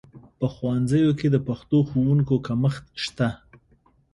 په ښوونځیو کې د پښتو ښوونکو کمښت شته